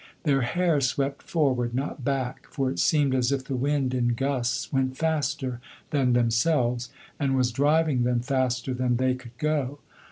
Their hair swept forward, not back; for it seemed as if the wind in gusts went faster than themselves, and was driving them faster than they could go.